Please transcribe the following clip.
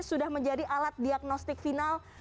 sudah menjadi alat diagnostik final